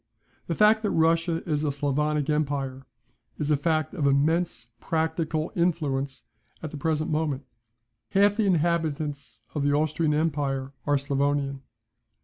The fact that Russia is a Sclavonic empire, is a fact of immense practical influence at the present moment. Half the inhabitants of the Austrian empire are Sclavonian.